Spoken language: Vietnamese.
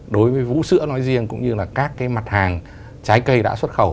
đối với vũ sữa nói riêng cũng như là các cái mặt hàng trái cây đã xuất khẩu